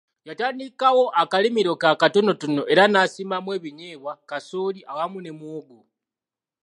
Yatandikawo akalimiro ke akatonotono era n'asimbamu ebinyeebwa, kasooli awamu ne muwogo.